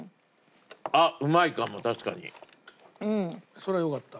そりゃよかった。